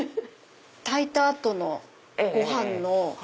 炊いた後のご飯の。